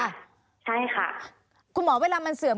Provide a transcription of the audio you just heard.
ใช่ค่ะคุณหมอเวลามันเสื่อม